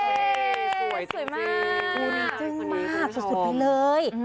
สวยจริงมากสุดไปเลย